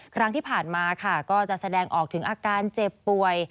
ครั้งที่ผ่านมาค่ะก็จะแสดงออกถึงอาการเจ็บป่วย